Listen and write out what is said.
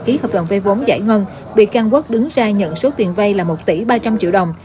ký hợp đồng vay vốn giải ngân bị can quốc đứng ra nhận số tiền vay là một tỷ ba trăm linh triệu đồng